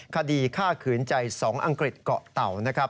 คดีฆ่าขืนใจ๒อังกฤษเกาะเต่านะครับ